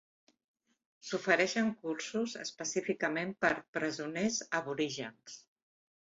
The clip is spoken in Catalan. S'ofereixen cursos específicament per a presoners aborígens.